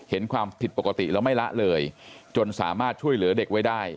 เห็นความผิดปกติแล้วไม่ละเลยจนสามารถช่วยเหลือเด็กไว้ได้